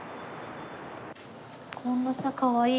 こんなさかわいい